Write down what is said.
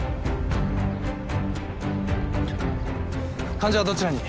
患者はどちらに？